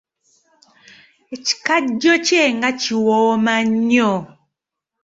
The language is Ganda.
Ekikajjo kye nga kiwooma nnyo!